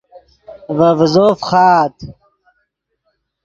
ڤے ڤیزو فخآت